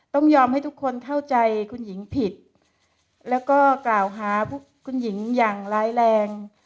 ต้องยอมให้ทุกคนเข้าใจคุณหญิงผิดแล้วก็กล่าวหาพวกคุณหญิงอย่างร้ายแรง